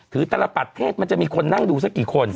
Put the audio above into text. แต่ละประเทศมันจะมีคนนั่งดูสักกี่คน